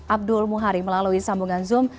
abdul muhari melalui sambungan zoom